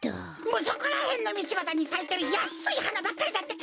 そこらへんのみちばたにさいてるやっすいはなばっかりだってか！